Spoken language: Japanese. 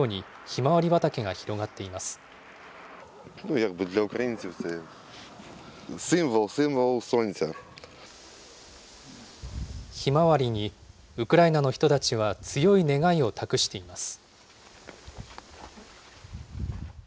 ひまわりにウクライナの人たちは強い願いを託しています。